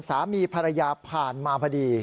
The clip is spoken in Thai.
สามีภรรยาผ่านมาพอดี